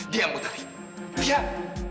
diam puteri diam